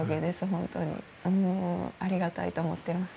ホントにありがたいと思ってます